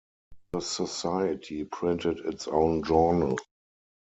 The society printed its own journal.